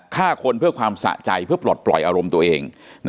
ฆ่าคนเพื่อความสะใจเพื่อปลดปล่อยอารมณ์ตัวเอง